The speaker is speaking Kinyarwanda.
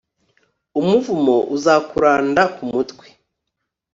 umuvumo uzakuranda ku mutwe